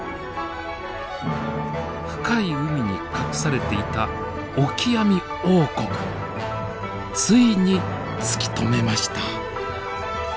深い海に隠されていたオキアミ王国ついに突き止めました。